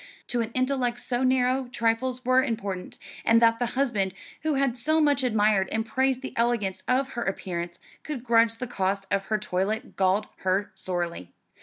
To an intellect so narrow, trifles were important, and that the husband who had so much admired and praised the elegance of her appearance could grudge the cost of her toilet galled her sorely.